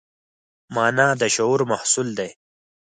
مانا د شعور محصول دی.